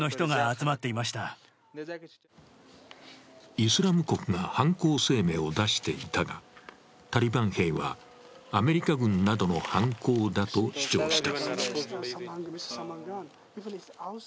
イスラム国が犯行声明を出していたが、タリバン兵はアメリカ軍などの犯行だと主張した。